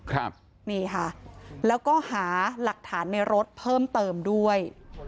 ครับนี่ค่ะแล้วก็หาหลักฐานในรถเพิ่มเติมด้วย